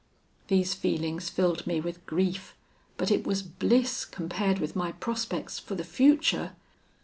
"These feelings filled me with grief; but it was bliss compared with my prospects for the future.